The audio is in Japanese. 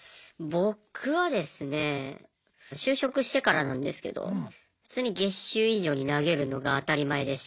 僕はですね就職してからなんですけど普通に月収以上に投げるのが当たり前でしたね。